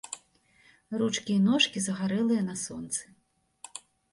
Ручкі і ножкі загарэлыя на сонцы.